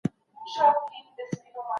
هغه د ماشومانو په شان تمرین کاوه.